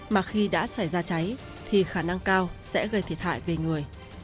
mà khi đã xảy ra cháy thì khả năng cao sẽ gây thiệt hại về người